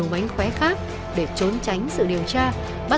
đặc biệt tất cả